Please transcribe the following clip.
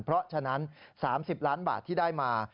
เพราะฉะนั้น๓๐ล้านบาทที่ได้มา